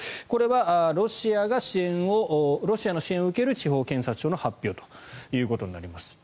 これはロシアの支援を受ける地方検察の発表ということになります。